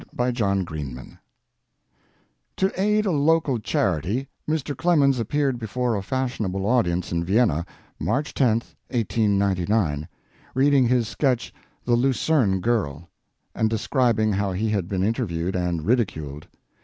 A NEW GERMAN WORD To aid a local charity Mr. Clemens appeared before a fashionable audience in Vienna, March 10, 1899, reading his sketch "The Lucerne Girl," and describing how he had been interviewed and ridiculed.